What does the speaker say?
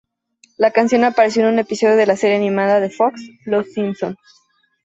La canción apareció en un episodio de la serie animada de Fox "Los Simpson".